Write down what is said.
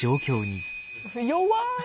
弱い。